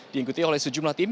diikuti oleh sejumlah tim